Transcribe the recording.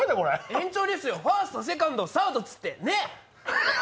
延長ですよ、ファースト、セカンド、サードっつって、ね。